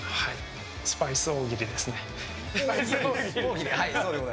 スパイス大喜利ですね。